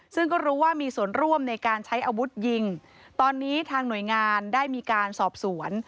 ซึ่งก็รู้ว่ามีส่วนร่วมในการใช้อาวุธยิงตอนนี้ทางหน่วยงานได้มีการสอบสวน